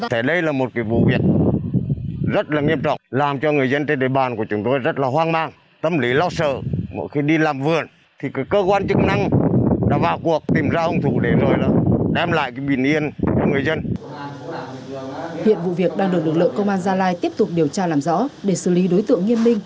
hiện vụ việc đang được lực lượng công an gia lai tiếp tục điều tra làm rõ để xử lý đối tượng nghiêm minh